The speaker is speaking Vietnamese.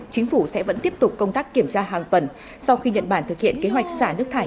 chính phủ sẽ vẫn tiếp tục công tác kiểm tra hàng tuần sau khi nhật bản thực hiện kế hoạch xả nước thải